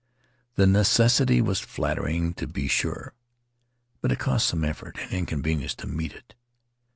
The necessity was flattering, to be sure, but it cost some effort and inconvenience to meet it.